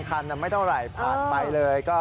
ก็ไม่เท่าไรทำให้ผ่านไปเลยเห็นไหม